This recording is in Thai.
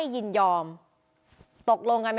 ห้ามกันครับผม